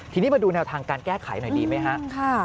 ทีนี้มาดูแนวทางการแก้ไขหน่อยดีไหมครับ